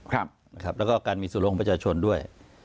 แล้วก็การมีส่วนลงประชาชนด้วย